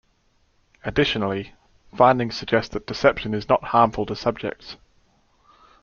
Additionally, findings suggest that deception is not harmful to subjects.